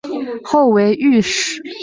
后为御史张仲炘得知上奏。